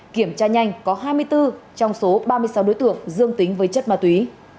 kiểm tra nhanh có hai mươi bốn trong số ba mươi sáu đối tượng dương tính với chất ma túy